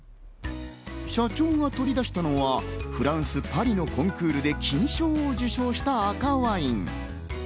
社長が取り出したのはフランス・パリのコンクールで金賞を受賞した赤ワイン。